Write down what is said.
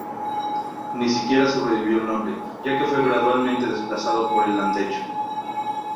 Ni siquiera sobrevivió el nombre, ya que fue gradualmente desplazado por el de Landecho.